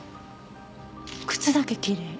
靴だけきれい。